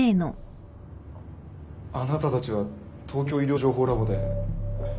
あなたたちは東京医療情報ラボで。